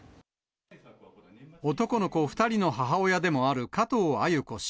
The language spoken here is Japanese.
男の子２人の母親でもある加藤鮎子氏。